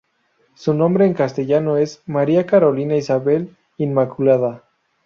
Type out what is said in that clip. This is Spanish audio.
Su nombre en castellano es: "María Carolina Isabel Inmaculada".